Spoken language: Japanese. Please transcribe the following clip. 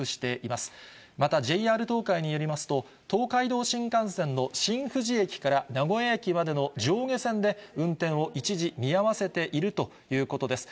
またＪＲ東海によりますと、東海道新幹線の新富士駅から名古屋駅までの上下線で運転を一時見合わせているということです。